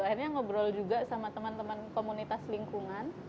akhirnya ngobrol juga sama teman teman komunitas lingkungan